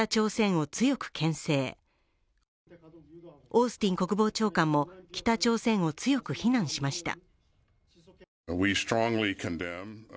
オースティン国防長官も北朝鮮を強く非難しました。